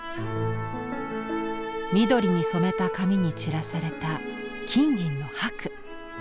緑に染めた紙に散らされた金銀のはく。